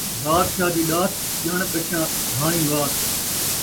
بادشاہ دی ݙات، ڄݨ ٻچہ گھاݨی وات